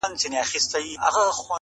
o کوڅه دربی سپى څوک نه خوري.